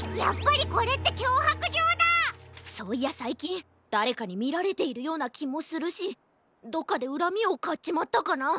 そういやさいきんだれかにみられているようなきもするしどっかでうらみをかっちまったかな？